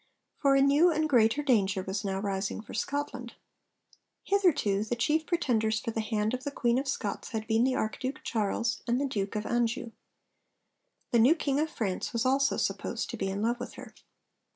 For a new and greater danger was now rising for Scotland. Hitherto the chief pretenders for the hand of the Queen of Scots had been the Archduke Charles, and the Duke of Anjou. (The new King of France was also supposed to be in love with her.)